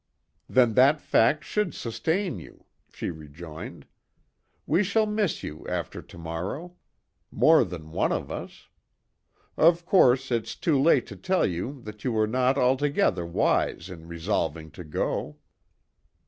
"Then that fact should sustain you," she rejoined. "We shall miss you after to morrow; more than one of us. Of course, it's too late to tell you that you were not altogether wise in resolving to go."